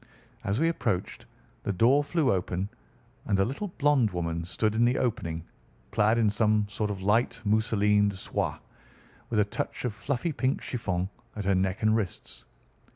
As we approached, the door flew open, and a little blonde woman stood in the opening, clad in some sort of light mousseline de soie, with a touch of fluffy pink chiffon at her neck and wrists.